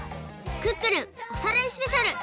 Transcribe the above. クックルンおさらいスペシャル！」。